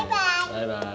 バイバイ！